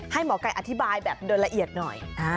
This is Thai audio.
หมอไก่อธิบายแบบโดยละเอียดหน่อย